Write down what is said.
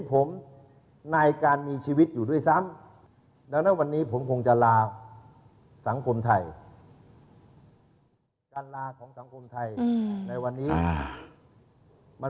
พอเรียกได้ยังไงว่า